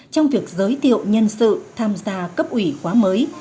trong việc giới thiệu nhân sự tham gia cấp ủy khóa mới